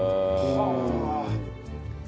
はあ。